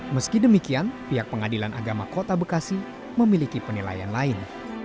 meski demikian pihak pengadilan agama kota bekasi memiliki penilaian lain